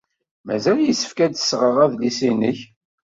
Mazal yessefk ad d-sɣeɣ adlis-nnek.